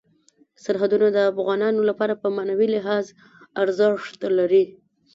سرحدونه د افغانانو لپاره په معنوي لحاظ ارزښت لري.